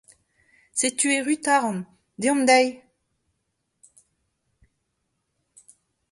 Setu erru Taran, deomp deï !